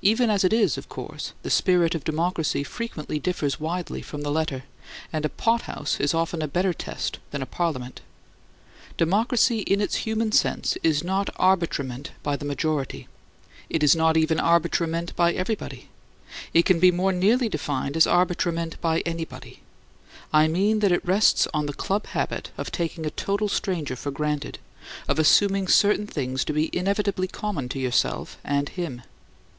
Even as it is, of course, the spirit of democracy frequently differs widely from the letter, and a pothouse is often a better test than a Parliament. Democracy in its human sense is not arbitrament by the majority; it is not even arbitrament by everybody. It can be more nearly defined as arbitrament by anybody. I mean that it rests on that club habit of taking a total stranger for granted, of assuming certain things to be inevitably common to yourself and him.